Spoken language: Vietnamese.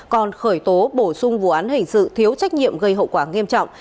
còn khởi tố bổ sung vụ án hình sự thiếu trách nhiệm gây hậu quả nghiêm trọng